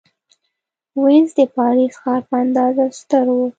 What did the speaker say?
وینز د پاریس ښار په اندازه ستر و.